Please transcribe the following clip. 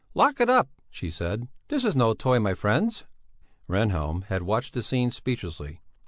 "Lock it up," she said, "this is no toy, my friends." Rehnhjelm had watched the scene speechlessly.